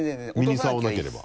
身に触らなければ。